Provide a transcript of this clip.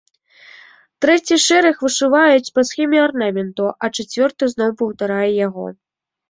Трэці шэраг вышываюць па схеме арнаменту, а чацвёрты зноў паўтарае яго.